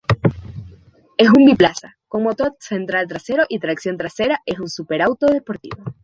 Es un biplaza, con motor central trasero y tracción trasera.es un super auto deportivo.